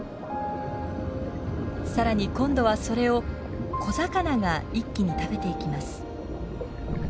更に今度はそれを小魚が一気に食べていきます。